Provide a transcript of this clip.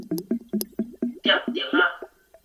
店亭仔